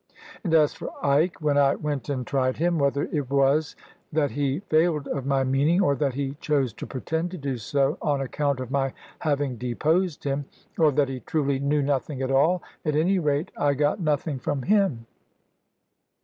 And as for Ike, when I went and tried him, whether it was that he failed of my meaning, or that he chose to pretend to do so (on account of my having deposed him), or that he truly knew nothing at all at any rate, I got nothing from him.